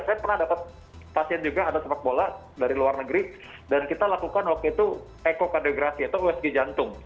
saya pernah dapat pasien juga ada sepak bola dari luar negeri dan kita lakukan waktu itu ekokadeografi atau usg jantung